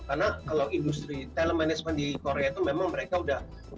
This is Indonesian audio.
karena kalau industri talent management di korea itu memang mereka udah